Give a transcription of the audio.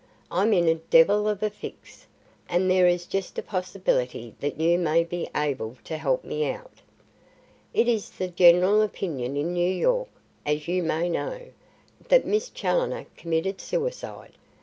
I'm in a devil of a fix, and there is just a possibility that you may be able to help me out. It is the general opinion in New York, as you may know, that Miss Challoner committed suicide.